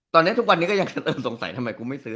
ตอนนี้ทุกวันนี้ก็ยังสงสัยทำไมกูไม่ซื้อ